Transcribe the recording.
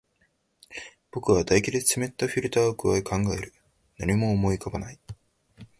僕は唾液で湿ったフィルターを咥え、考える。何も思い浮かばない。